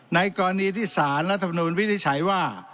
ในกรณีที่สารรัฐมนุนวินิจฉัยว่า